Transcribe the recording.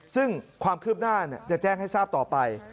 ซึ่งความคืบหน้าจะแจ้งให้ทราบต่อไป